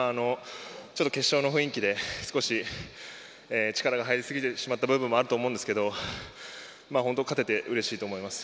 決勝の雰囲気で少し力が入りすぎた部分もあったと思いますが本当勝ててうれしいと思います。